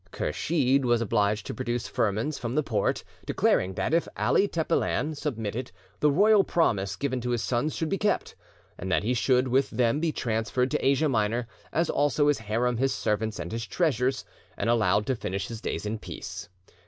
Kursheed was obliged to produce firmans from the Porte, declaring that if Ali Tepelen submitted, the royal promise given to his sons should be kept, and that he should, with them, be transferred to Asia Minor, as also his harem, his servants; and his treasures, and allowed to finish his days in peace.